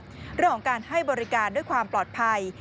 เรื่องของการให้บริการด้วยความปลอดภัย